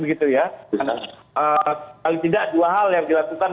paling tidak dua hal yang dilakukan